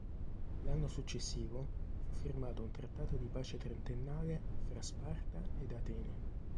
L'anno successivo fu firmato un trattato di pace trentennale fra Sparta ed Atene.